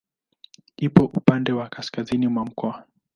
Ipo upande wa kaskazini mwa mkoa.